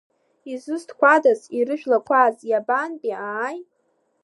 Изусҭқәадаз, ирыжәлақәаз, иабантәи ааи?